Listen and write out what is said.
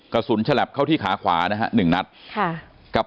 กระสุนฉลับเข้าที่ขาขวานะฮะหนึ่งนัดค่ะ